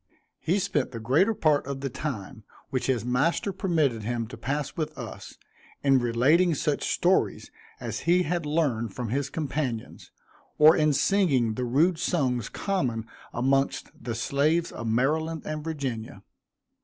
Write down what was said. He spent the greater part of the time, which his master permitted him to pass with us, in relating such stories as he had learned from his companions, or in singing the rude songs common amongst the slaves of Maryland and Virginia.